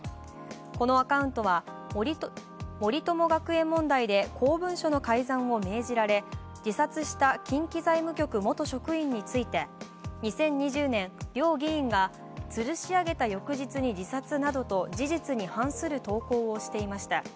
このアカウントは森友学園問題で公文書の改ざんを命じられ自殺した近畿財務局元職員について、２０２０年、両議員が「吊るしあげた翌日に自殺」などと事実に反する投稿をしていました。